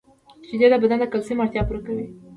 • شیدې د بدن د کلسیم اړتیا پوره کوي.